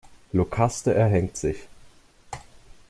Iokaste erhängt sich.